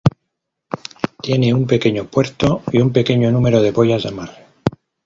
Tiene un pequeño puerto y un pequeño número de boyas de amarre.